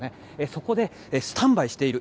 そこでスタンバイしている。